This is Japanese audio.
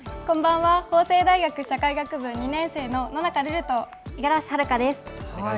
法政大学社会学部２年生の野中瑠々と五十嵐遙です。